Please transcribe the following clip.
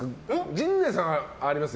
陣内さんはあります？